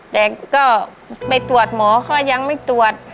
แต่ก็ไปตรวจหมอก็ยังไม่ตรวจ